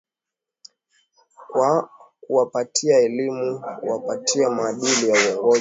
kwa kuwapatia elimu kuwapatia maadili ya uongozi